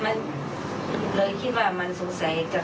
แบบแล้วเนี้ยเต้นจะเป็นครับบ่นมีอันนี้ก็นะ